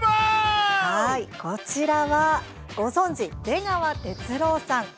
こちらは、ご存じ出川哲朗さん。